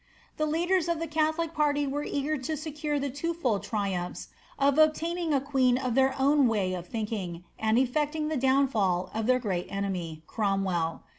The leaders of the catholic party were eager lo iTM the two fold triumphs of obtaining a queen of iheir ovfn way nf itiing, and eflecting the downfal of ilieir great enemy, Cromwell.